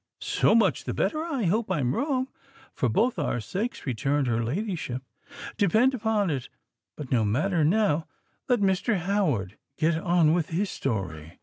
"So much the better. I hope I am wrong—for both of our sakes," returned her ladyship. "Depend upon it——But, no matter now: let Mr. Howard get on with his story."